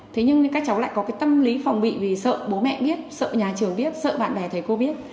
thế nhưng các cháu lại có cái tâm lý phòng bị vì sợ bố mẹ biết sợ nhà trường biết sợ bạn bè thầy cô biết